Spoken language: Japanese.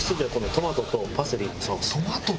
トマトとパセリ？